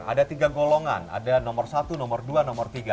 ada tiga golongan ada nomor satu nomor dua nomor tiga